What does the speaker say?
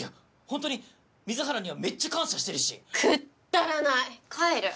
ほんとに水原にはめっちゃ感謝してるしくっだらない帰る！